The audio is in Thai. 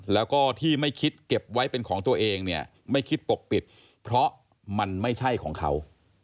แล้วก็ที่ไม่คิดเก็บไว้เป็นของตัวเองเนี่ยไม่คิดปกปิดเพราะมันไม่ใช่ของเขา